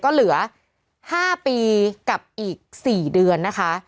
ก็เหลือ๕ปีกับอีก๔เดือนนะคะ